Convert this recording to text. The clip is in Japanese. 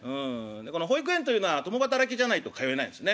この保育園というのは共働きじゃないと通えないんですね。